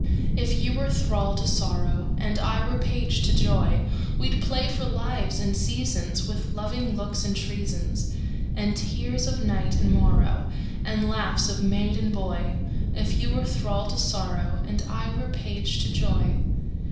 If you were thrall to sorrow, And I were page to joy, We'd play for lives and seasonsWith loving looks and treasonsAnd tears of night and morrowAnd laughs of maid and boy; If you were thrall to sorrow, And I were page to joy.